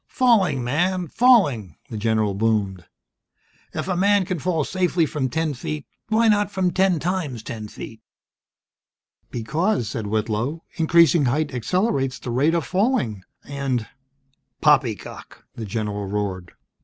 "Falling, man, falling!" the general boomed. "If a man can fall safely from ten feet Why not from ten times ten feet!?" "Because," said Whitlow, "increasing height accelerates the rate of falling, and " "Poppycock!" the general roared.